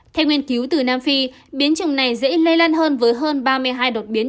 theo nghiên cứu từ nam phi biến chủng này dễ lây lan hơn với hơn ba mươi hai đột biến